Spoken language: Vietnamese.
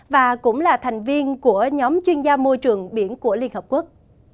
và cũng là thành viên của nhóm chuyên gia môi trường biển của liên hợp quốc